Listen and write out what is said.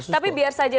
tapi biar saja